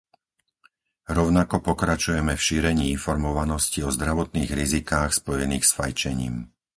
Rovnako pokračujeme v šírení informovanosti o zdravotných rizikách spojených s fajčením.